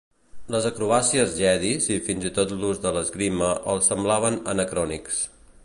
Les acrobàcies Jedis i fins i tot l'ús de l'esgrima els semblaven anacrònics.